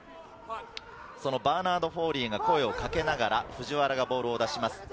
バーナード・フォーリーが声をかけながら藤原がボールを出します。